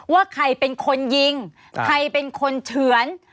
ว่าใครเป็นคนยิงใครเป็นคนเฉือน